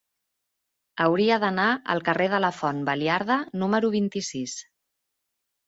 Hauria d'anar al carrer de la Font Baliarda número vint-i-sis.